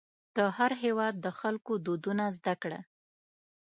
د هر هېواد د خلکو دودونه زده کړه.